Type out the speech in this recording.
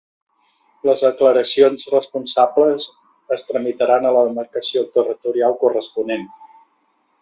Les declaracions responsables es tramitaran a la demarcació territorial corresponent.